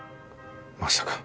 まさか。